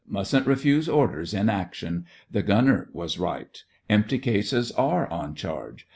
'Mustn't refuse orders in action. The Gunner was right. Empty cases are on charge.